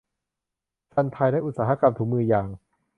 ซันไทยอุตสาหกรรมถุงมือยาง